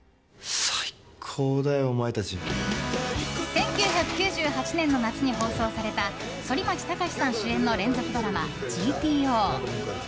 １９９８年の夏に放送された反町隆史さん主演の連続ドラマ「ＧＴＯ」。